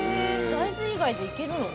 大豆以外でいけるの？